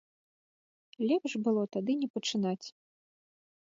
Лепш было тады не пачынаць.